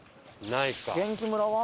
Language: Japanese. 元気村は？